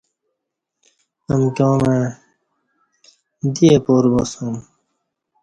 امکیامع دی اپار باسوم